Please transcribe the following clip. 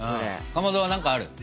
かまどは何かあるの？